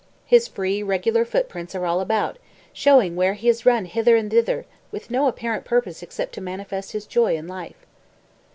His free, regular footprints are all about, showing where he has run hither and thither, with no apparent purpose except to manifest his joy in life.